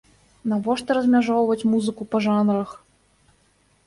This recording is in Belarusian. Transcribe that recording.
Навошта размяжоўваць музыку па жанрах.